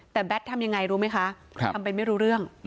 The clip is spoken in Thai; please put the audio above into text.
แต่แบททำอย่างไรรู้ไหมคะทำเป็นไม่รู้เรื่อง